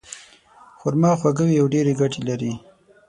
خرما خواږه وي او ډېرې ګټې لري.